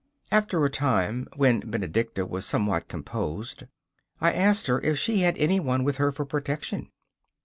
After a time, when Benedicta was somewhat composed, I asked her if she had anyone with her for protection.